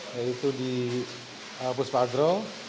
yaitu di puspadro